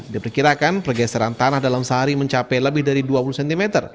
diperkirakan pergeseran tanah dalam sehari mencapai lebih dari dua puluh cm